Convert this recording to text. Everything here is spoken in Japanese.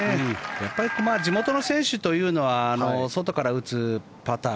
やっぱり地元の選手というのは外から打つパター